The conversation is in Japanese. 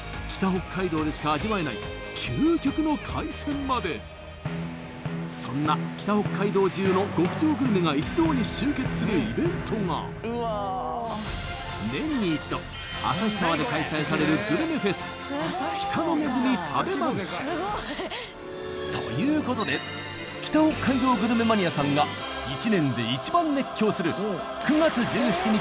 北海道でしか味わえない究極の海鮮までそんな北北海道じゅうの極上グルメが一堂に集結するイベントが年に一度旭川で開催されるグルメフェスということで北北海道グルメマニアさんが１年で１番熱狂する９月１７日に完全密着